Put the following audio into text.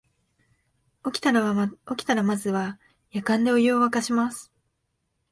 起きたらまずはやかんでお湯をわかします